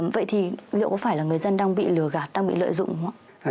vậy thì liệu có phải là người dân đang bị lừa gạt đang bị lợi dụng không ạ